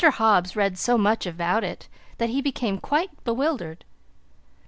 Hobbs read so much about it that he became quite bewildered.